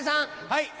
はい。